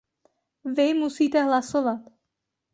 Vy musíte hlasovat.